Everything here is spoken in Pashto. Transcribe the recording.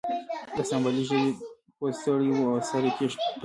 د اسامبلۍ ژبې پوه ستړی و او سر یې کیښود